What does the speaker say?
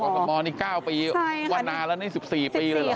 กับมนี่๙ปีว่านานแล้วนี่๑๔ปีเลยเหรอ